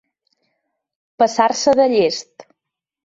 Passar-se de llest.